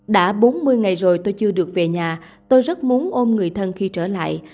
đã bốn mươi ngày rồi tôi chưa được về nhà tôi rất muốn ôm người thân khi trở lại